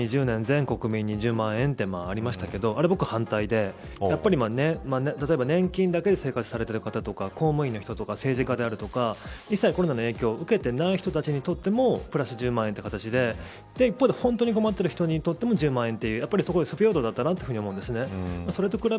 ２０２０年、全国民に１０万円とありましたけどあれは、僕は反対で例えば年金だけで生活されている方、公務員の方、政治家一切コロナの影響を受けていない方にとってもプラス１０万円ということで一方で、本当に困っている人にとっても１０万円ということで不平等だったと思います。